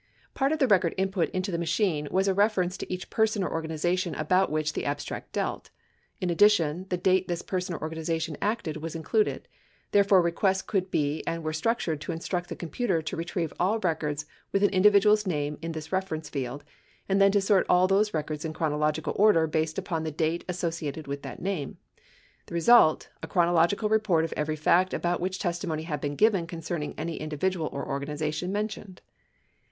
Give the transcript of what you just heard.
Part of the record input into the machine was a reference to each person or organization about which the abstract dealt. In addition, the date this person or organization acted was included. Therefore, requests could be and were structured to instruct the computer to re trieve all records with an individual's name in this reference field and then to sort all these records in chronological order based upon the date associated with that name. The result — a chronological report of every fact about which testimonv had been given concerning any indi vidual or organization mentioned.